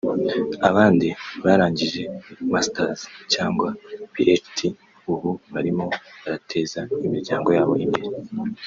abandi barangije Masters cyangwa PhDs ubu barimo barateza imiryango yabo imbere